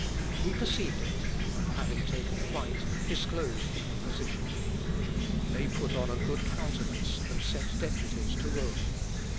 He perceived it; and, having taken flight, disclosed the imposition. They put on a good countenance, and sent deputies to Rome.